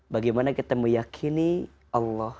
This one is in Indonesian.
bagaimana kita meyakini allah